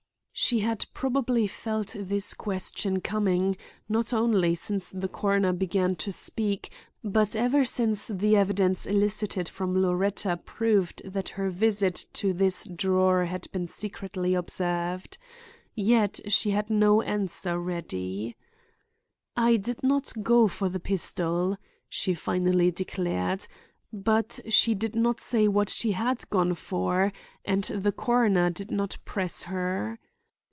She had probably felt this question coming, not only since the coroner began to speak but ever since the evidence elicited from Loretta proved that her visit to this drawer had been secretly observed. Yet she had no answer ready. "I did not go for the pistol," she finally declared. But she did not say what she had gone for, and the coroner did not press her.